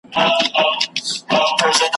پښې او غاړي په تارونو کي تړلي ,